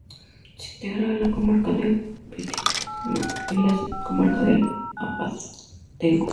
Se integra en la comarca de Vitigudino y la subcomarca de El Abadengo.